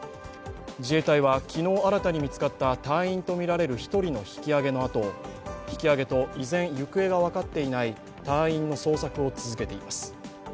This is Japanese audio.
自衛隊は昨日新たに見つかった隊員とみられる１人の引き揚げと依然、行方が分かっていない隊員の捜索を続けています。